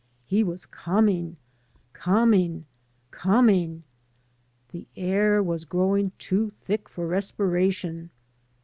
He was coming, coming, coming. The air was growing too thick for respiration.